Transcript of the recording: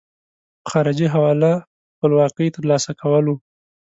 په خارجي حواله خپلواکۍ ترلاسه کول وو.